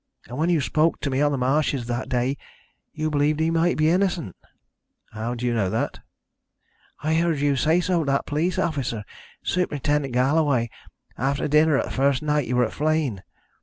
And when you spoke to me on the marshes that day you believed he might be innocent." "How do you know that?" "I heard you say so to that police officer Superintendent Galloway after dinner the first night you were at Flegne.